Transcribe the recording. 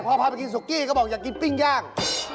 พอพาไปกินสุกี้ก็บอกอยากกินปิ้งย่าง